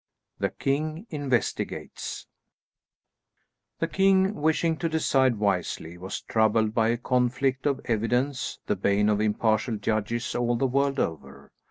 THE KING INVESTIGATES The king, wishing to decide wisely, was troubled by a conflict of evidence, the bane of impartial judges all the world over.